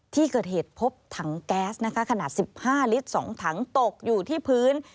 ที่เกิดเหตุพบถังแก๊สนะคะขนาด๑๕ลิตร๒ถังตกอยู่ที่พื้น